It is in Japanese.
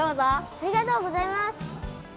ありがとうございます。